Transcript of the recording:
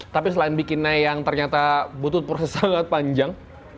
tapi selain bikinnya yang ternyata butuh proses sangat panjang